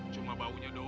cuma baunya doang